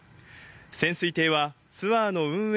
潜水艇はツアーの運営